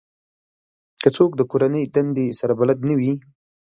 که څوک د کورنۍ دندې سره بلد نه وي